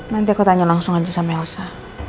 nanti aku tanya langsung aja sama elsa